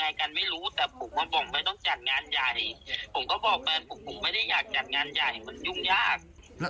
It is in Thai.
ผมก็ทำผมว่าจะไปเองเนี่ยแหละพี่